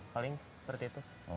paling seperti itu